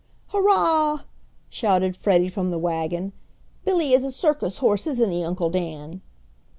"Hurrah!" shouted Freddie from the wagon. "Billy is a circus horse, isn't he, Uncle Dan?"